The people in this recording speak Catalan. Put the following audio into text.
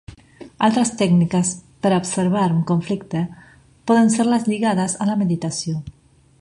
Altres tècniques per a observar un conflicte poden ser les lligades a la meditació.